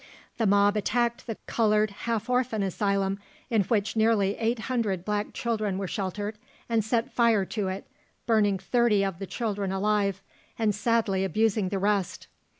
The mob attacked the coloured half orphan asylum, in which nearly 800 black children were sheltered, and set fire to it, burning thirty of the children alive, and sadly abusing the rest.